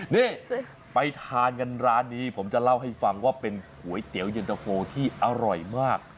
นี่ไปทานกันร้านนี้ผมจะเล่าให้ฟังว่าเป็นก๋วยเตี๋ยวเย็นตะโฟที่อร่อยมาก